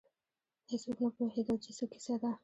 هېڅوک نه پوهېدل چې څه کیسه ده.